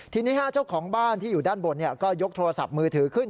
ทีนี้เจ้าของบ้านที่อยู่ด้านบนก็ยกโทรศัพท์มือถือขึ้น